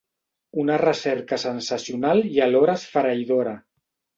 Una recerca sensacional i alhora esfereïdora.